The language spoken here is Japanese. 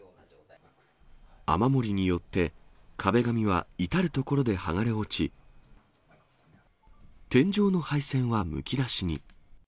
雨漏りによって壁紙は至る所で剥がれ落ち、天井の配線はむき出しに。